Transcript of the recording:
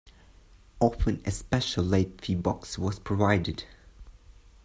Often a special Late Fee Box was provided.